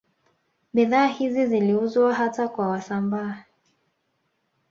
Bidhaa zao hizi ziliuzwa hata kwa Wasambaa